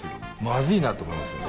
まずいなと思いますよ。